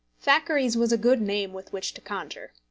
Thackeray's was a good name with which to conjure.